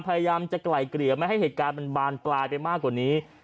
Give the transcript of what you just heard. พยายามจะไกล่เกลี่ยไม่ให้เหตุการณ์มันบานปลายไปมากกว่านี้